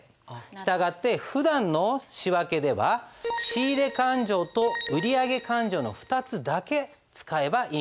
従ってふだんの仕訳では仕入勘定と売上勘定の２つだけ使えばいいんです。